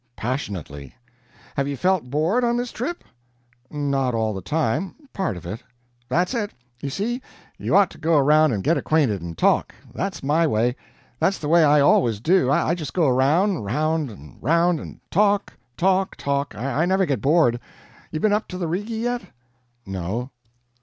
"Passionately." "Have you felt bored, on this trip?" "Not all the time, part of it." "That's it! you see you ought to go around and get acquainted, and talk. That's my way. That's the way I always do I just go 'round, 'round, 'round and talk, talk, talk I never get bored. You been up the Rigi yet?" "No."